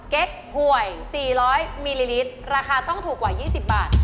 เก็กหวยสี่ร้อยมิลลิลิตรราคาต้องถูกกว่ายี่สิบบาท